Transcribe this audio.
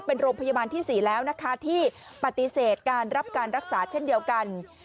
เป็นโรงพยาบาลที่๔แล้วนะคะที่ปฏิเสธการรับการรักษาเช่นเดียวกัน